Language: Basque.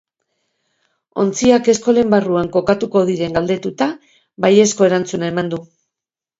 Ontziak eskolen barruan kokatuko diren galdetuta, baiezko erantzuna eman du.